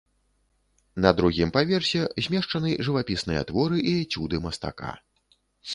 На другім паверсе змешчаны жывапісныя творы і эцюды мастака.